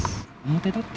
表立って